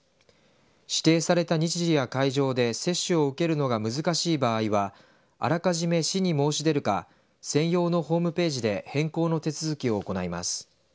指定された日時や会場で接種を受けるのが難しい場合はあらかじめ、市に申し出るか専用のホームページで変更の手続きを行います。